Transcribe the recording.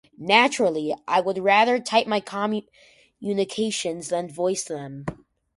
Naturally, I would rather type my communications than voice them.